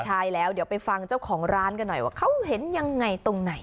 ใช่แล้วเดี๋ยวไปฟังเจ้าของร้านกันหน่อยว่าเขาเห็นยังไงตรงไหน